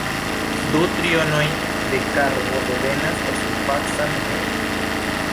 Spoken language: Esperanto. Du trionoj de karbo devenas el surfaca minejo.